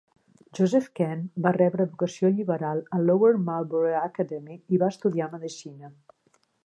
Joseph Kent va rebre educació lliberal a Lower Marlboro Academy i va estudiar medicina.